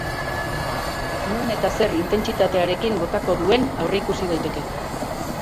Non eta zer intentsitatearekin botako duen aurreikusi daiteke.